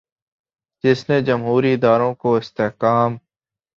جس نے جمہوری اداروں کو استحکام